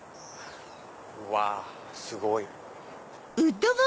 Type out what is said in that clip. うわすごい。